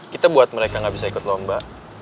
kita buat mereka gak bisa ikut lomba